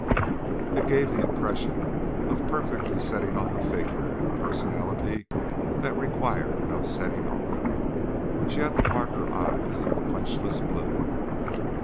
It gave the impression of perfectly setting off a figure and a personality that required no setting off. She had the Parker eyes of quenchless blue.